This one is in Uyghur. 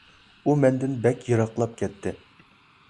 ئۇ مەندىن بەك يىراقلاپ كەتتى.